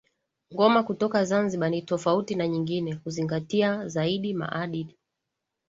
Ngoma kutoka Zanzibar ni tofauti na nyingine huzingatia zaidi maadili